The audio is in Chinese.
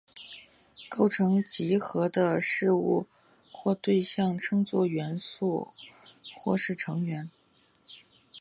构成集合的事物或对象称作元素或是成员。